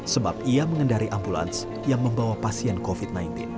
sebab ia mengendari ambulans yang membawa pasien covid sembilan belas